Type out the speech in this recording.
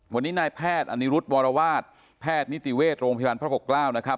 วันนี้นายแพทย์อนิรุธวรวาสแพทย์นิติเวชโรงพยาบาลพระปกเกล้านะครับ